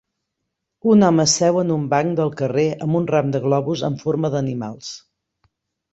Un home seu en un banc del carrer amb un ram de globus amb forma d'animals.